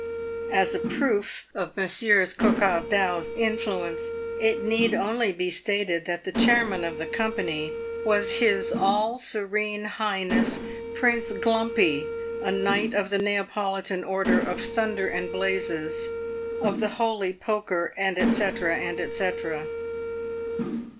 As a proof of Monsieur Coquar dau's influence, it need only be stated that the chairman of the com pany was his All Serene Highness Prince Gloumpi, a Knight of the 248 PAVED WITH GOLD. Neapolitan Order of Thunder and Blazes, of the Holy Poker, &c. &c.